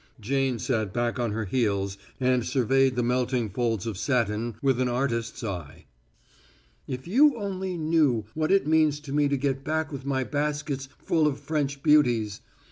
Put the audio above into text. Jane sat back on her heels and surveyed the melting folds of satin with an artist's eye. "If you only knew what it means to me to get back with my baskets full of French beauties!